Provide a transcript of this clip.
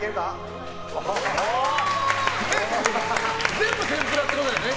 全部天ぷらってことだよね。